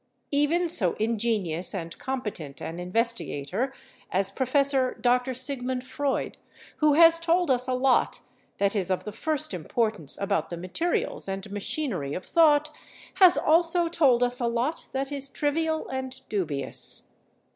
Even so ingenious and competent an investigator as Prof. Dr. Sigmund Freud, who has told us a lot that is of the first importance about the materials and machinery of thought, has also told us a lot that is trivial and dubious.